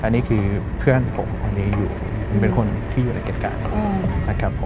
อันนี้คือเพื่อนผมเป็นคนที่อยู่ในเกษตรการ